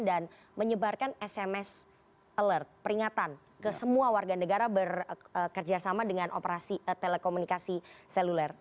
dan menyebarkan sms alert peringatan ke semua warga negara bekerjasama dengan operasi telekomunikasi seluler